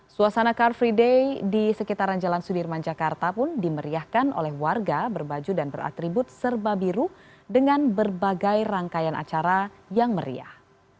suasana car free day di sekitaran jalan sudirman jakarta pun dimeriahkan oleh warga berbaju dan beratribut serba biru dengan berbagai rangkaian acara yang meriah